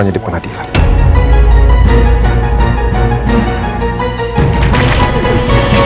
tidak tentu hati hati atas ya